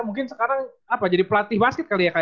mungkin sekarang apa jadi pelatih basket kali ya kak